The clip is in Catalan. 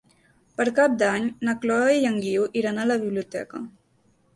Per Cap d'Any na Chloé i en Guiu iran a la biblioteca.